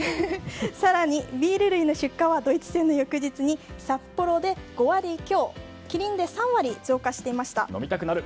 更にビール類の出荷はドイツ戦の翌日にサッポロで５割強キリンで３割増加していました。